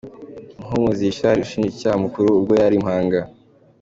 Muhumuza Richard Umushinjacyaha Mukuru ubwo yari i Muhanga.